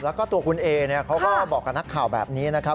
แล้วก็ตัวคุณเอเขาก็บอกกับนักข่าวแบบนี้นะครับ